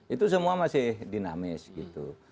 itu semua masih dinamis gitu